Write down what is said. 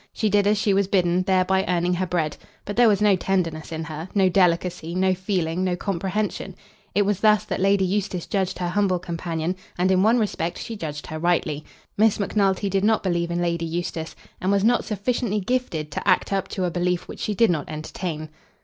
She did as she was bidden, thereby earning her bread. But there was no tenderness in her; no delicacy; no feeling; no comprehension. It was thus that Lady Eustace judged her humble companion; and in one respect she judged her rightly. Miss Macnulty did not believe in Lady Eustace, and was not sufficiently gifted to act up to a belief which she did not entertain.